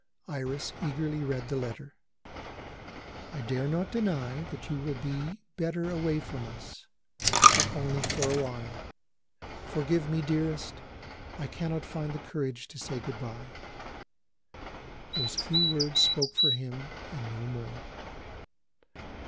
Iris eagerly read the letter: "I dare not deny that you will be better away from us, but only for a while. Forgive me, dearest; I cannot find the courage to say good bye." Those few words spoke for him and no more.